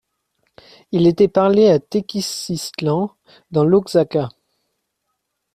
Il était parlé à Tequisistlan, dans l'Oaxaca.